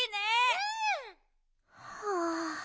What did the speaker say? うん！はあ。